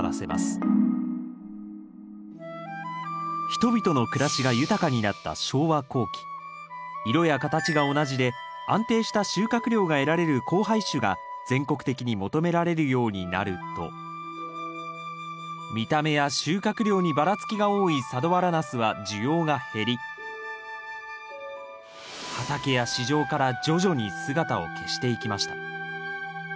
人々の暮らしが豊かになった昭和後期色や形が同じで安定した収穫量が得られる交配種が全国的に求められるようになると見た目や収穫量にバラつきが多い佐土原ナスは需要が減り畑や市場から徐々に姿を消していきました。